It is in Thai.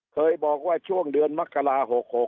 เคยบอกว่าช่วงเดือนมกรา๖๖